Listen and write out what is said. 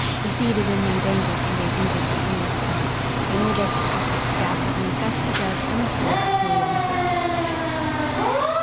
The seed is in no danger from being injured by any other plant. In August it is fit to gather, and is best preserved on the stalks till wanted.